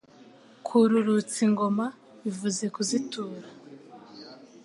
Kururutsa ingoma bivuze Kuzitura